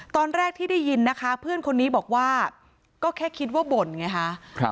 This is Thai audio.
ตอนแรกที่ได้ยินนะคะเพื่อนคนนี้บอกว่าก็แค่คิดว่าบ่นไงคะ